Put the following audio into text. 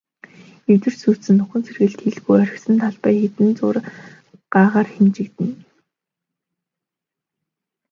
Эвдэрч сүйдсэн, нөхөн сэргээлт хийлгүй орхисон талбай хэдэн зуун гагаар хэмжигдэнэ.